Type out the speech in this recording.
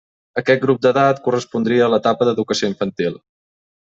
Aquest grup d'edat correspondria a l'etapa d'educació infantil.